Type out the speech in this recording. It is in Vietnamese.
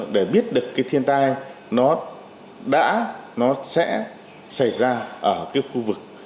để biết được cái thiên tai nó sẽ xảy ra ở cái khu vực